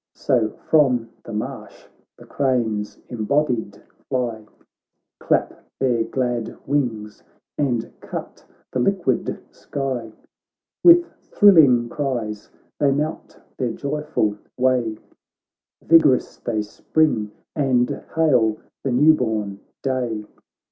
So from the marsh the cranes embodied fly, , Clap their glad wings and cut the liquid sky ; With thrilling cries they mount their joyful way, Vig'rous they spring, and hail the new born day.